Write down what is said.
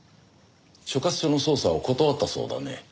所轄署の捜査を断ったそうだね。